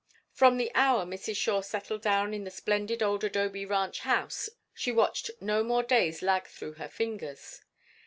From the hour Mrs. Shore settled down in the splendid old adobe ranch house she watched no more days lag through her fingers.